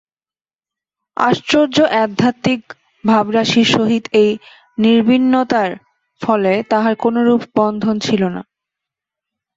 আশ্চর্য আধ্যাত্মিক ভাবরাশির সহিত এই নির্বিণ্ণতার ফলে তাঁহার কোনরূপ বন্ধন ছিল না।